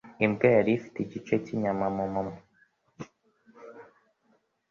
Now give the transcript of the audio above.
Imbwa yari ifite igice cyinyama mumunwa.